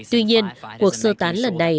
tuy nhiên cuộc sơ tán lần này